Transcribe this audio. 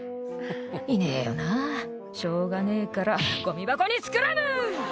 「いねえよなしょうがねえからゴミ箱にスクラム！」